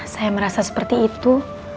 saya merasa seperti itu